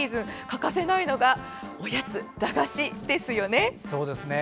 欠かせないのが、おやつ駄菓子ですよね。